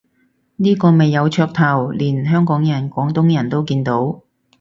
呢個咪有噱頭，連香港人廣東人都見到